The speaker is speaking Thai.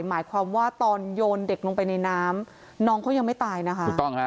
หมายความว่าตอนโยนเด็กลงไปในน้ำน้องเขายังไม่ตายนะคะถูกต้องฮะ